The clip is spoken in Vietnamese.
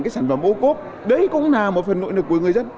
cái sản phẩm ô cốp đấy cũng là một phần nội lực của người dân